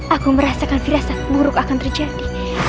aku merasakan firasa buruk akan terjadi